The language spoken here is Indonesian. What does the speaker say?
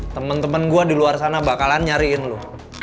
teman teman gue di luar sana bakalan nyariin lu